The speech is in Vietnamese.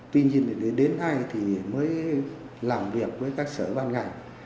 tuy nhiên đến nay thì mới làm việc với các sở ban ngành